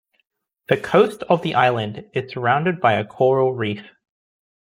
The coast of the island is surrounded by a coral reef.